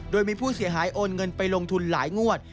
โดยมีผู้เสียหายโอนเงินไปลงทุนหลายงวด